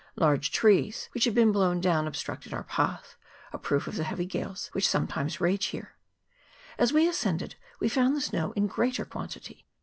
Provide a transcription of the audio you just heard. Large trees which had been blown down obstructed our path, a proof of the heavy gales which some times rage here. As we ascended we found the snow in greater quantity.